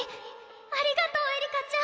ありがとうえりかちゃん！